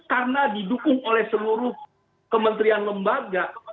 karena didukung oleh seluruh kementerian lembaga